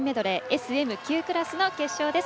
ＳＭ９クラスの決勝です。